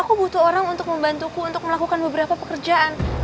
aku butuh orang untuk membantuku untuk melakukan beberapa pekerjaan